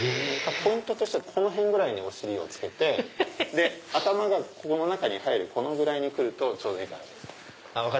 ポイントとしてはこの辺ぐらいにお尻をつけて頭がこのぐらいに来るとちょうどいい感じです。